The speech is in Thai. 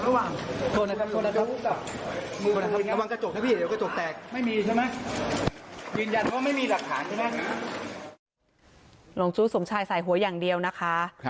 หลงจู้สมชายใส่หัวอย่างเดียวนะคะ